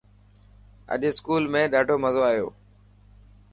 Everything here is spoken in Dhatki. اڄ اسڪول ۾ ڏاڌو مزو آيو.